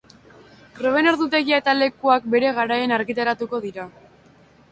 Proben ordutegia eta lekuak bere garaian argitaratuko dira.